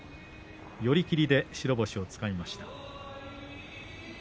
寄り切りで白星をつかみました。